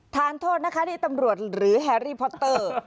ทานโทษนะคะนี่ตำรวจหรือแฮรี่พอตเตอร์